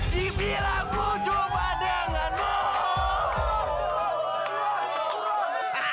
di bila ku jumpa denganmu